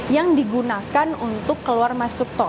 yang digunakan untuk keluar masuk tol